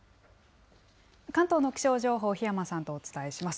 関東の気象情報、檜山さんとお伝えします。